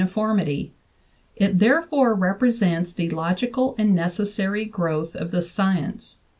VIII formity; it therefore represents the logical and necessary growth of the science.